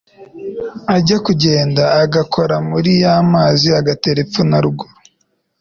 ajya kugenda agakora muri ya mazi agatera epfo na ruguru